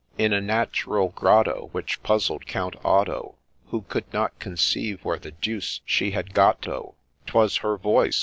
In a natural grotto, Which puzzled Count Otto, Who could not conceive where the deuce she had got to. 'Twas her voice